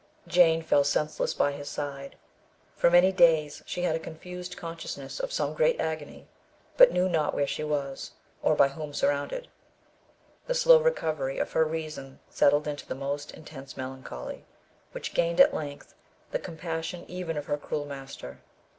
Jane fell senseless by his side. For many days she had a confused consciousness of some great agony, but knew not where she was, or by whom surrounded. The slow recovery of her reason settled into the most intense melancholy, which gained at length the compassion even of her cruel master.